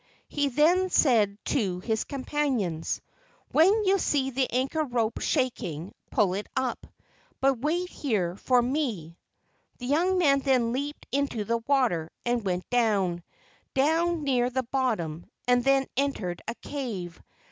He then said to his companions, "When you see the anchor rope shaking, pull it up, but wait here for me." The young man then leaped into the water and went down, down near the bottom, and then entered a cave.